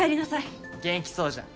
元気そうじゃん。